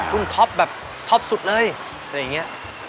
รุ่นท็อปแบบท็อปสุดเลย